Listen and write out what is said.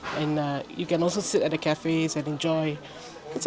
dan kita juga bisa duduk di kafe dan menikmati